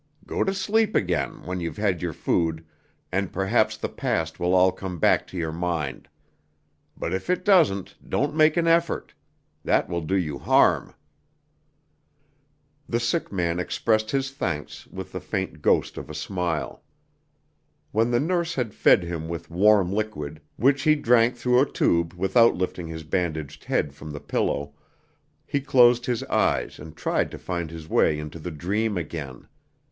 Go to sleep again when you've had your food, and perhaps the past will all come back to your mind. But if it doesn't, don't make an effort. That will do you harm." The sick man expressed his thanks with the faint ghost of a smile. When the nurse had fed him with warm liquid, which he drank through a tube without lifting his bandaged head from the pillow, he closed his eyes and tried to find his way into the dream again.